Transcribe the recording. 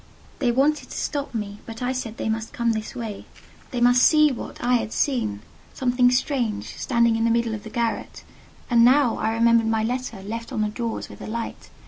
They wanted to stop me, but I said they must come this way: they must see what I had seen—something strange, standing in the middle of the garret. And, now, I remembered my letter, left on the drawers with the light.